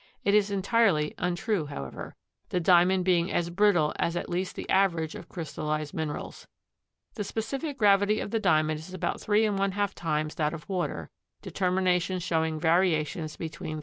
It is entirely untrue, however, the Diamond being as brittle as at least the average of crystallized minerals. The specific gravity of the Diamond is about three and one half times that of water, determinations showing variations between 3.